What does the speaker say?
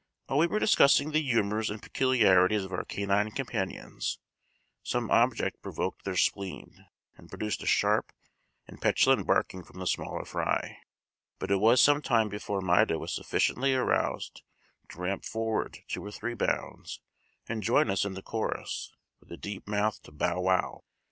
While we were discussing the humors and peculiarities of our canine companions, some object provoked their spleen, and produced a sharp and petulant barking from the smaller fry, but it was some time before Maida was sufficiently aroused to ramp forward two or three bounds and join in the chorus, with a deep mouthed bow wow!